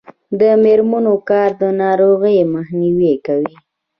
د میرمنو کار د ناروغیو مخنیوی کوي.